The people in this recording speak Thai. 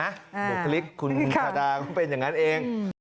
บุคลิกคุณชาดาก็เป็นอย่างนั้นเอง